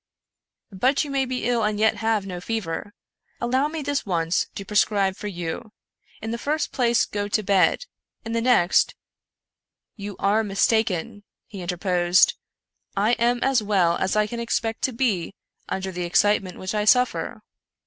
" But you may be ill and yet have no fever. Allow me this once to prescribe for you. In the first place go to bed. In the next "" You are mistaken," he interposed, " I am as well as I can expect to be under the excitement which I sufifer.